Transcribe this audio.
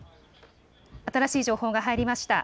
新しい情報が入りました。